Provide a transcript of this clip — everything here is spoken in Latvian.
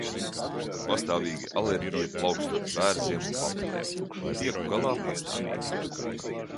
Pastāvīgi alerģija, plaukstot bērziem un papelēm. Tieku galā patstāvīgi.